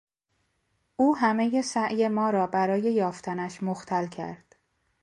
او همهی سعی ما را برای یافتنش مختل کرد.